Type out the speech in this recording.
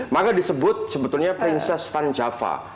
maka disebut sebetulnya princess van java